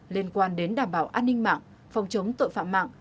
liên quan đến đảm bảo an ninh mạng phòng chống tội phạm mạng